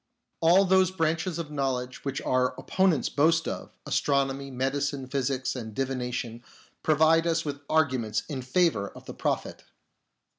All those branches of knowledge which our opponents boast of — astronomy, medicine, physics, and divination — provide us with arguments in favour of the Prophet.